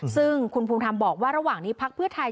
ซึ่งคุณภูมิธรรมบอกว่าระหว่างนี้พักเพื่อไทย